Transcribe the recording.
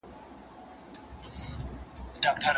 اندرور د ورينداري په ژوند کي څه ستونزي جوړوي؟